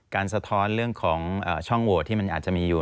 สะท้อนเรื่องของช่องโหวตที่มันอาจจะมีอยู่